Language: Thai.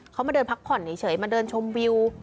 เขามาเดินพักผ่อนเฉยมาเดินชมวิว